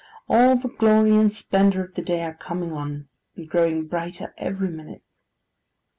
All the glory and splendour of the day are coming on, and growing brighter every minute.